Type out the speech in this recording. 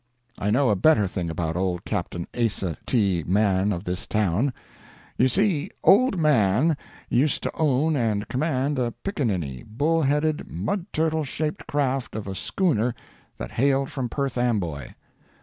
I know a better thing about old Captain Asa T. Mann of this town. You see, old Mann used to own and command a pickaninny, bull headed, mud turtle shaped craft of a schooner that hailed from Perth Amboy.